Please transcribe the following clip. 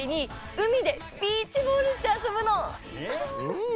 うん。